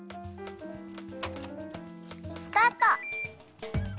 スタート！